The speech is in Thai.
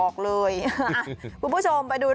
มาเพื่อนผู้ชมไปดู